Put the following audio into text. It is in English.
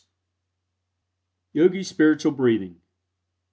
YOGI SPIRITUAL BREATHING.